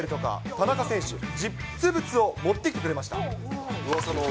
田中選手、実物を持ってきてくれうわさの。